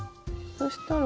そしたら。